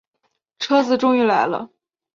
车子终于来了